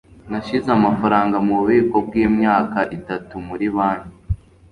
nashyize amafaranga mububiko bwimyaka itatu muri banki